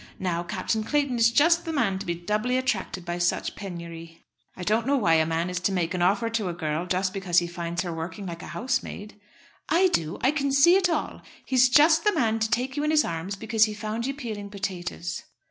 Now Captain Clayton is just the man to be doubly attracted by such penury." "I don't know why a man is to make an offer to a girl just because he finds her working like a housemaid." "I do. I can see it all. He is just the man to take you in his arms because he found you peeling potatoes."